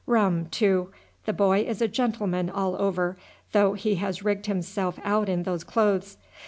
Rum, too. The boy is a gentleman all over, though he has rigged himself out in those clothes.